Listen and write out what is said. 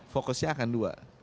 fokusnya akan dua